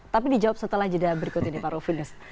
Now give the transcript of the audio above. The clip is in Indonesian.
tapi dijawab setelah jeda berikut ini pak rufinus